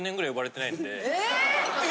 え！